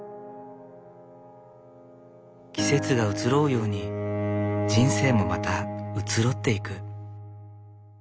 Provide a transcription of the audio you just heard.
季節が移ろうように人生もまた移ろっていく。